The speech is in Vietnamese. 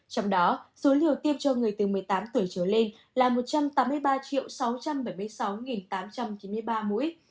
trong đó số liều tiêm cho người từ một mươi tám tuổi trở lên là một trăm tám mươi ba sáu trăm bảy mươi sáu tám trăm chín mươi ba mũi